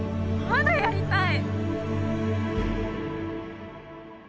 まだやりたい！